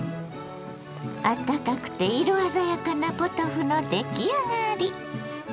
あったかくて色鮮やかなポトフの出来上がり。